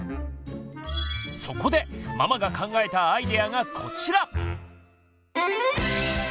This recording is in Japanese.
そこでママが考えたアイデアがこちら！